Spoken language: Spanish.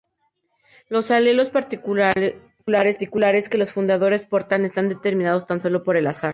Los alelos particulares que los fundadores portan, están determinados tan sólo por el azar.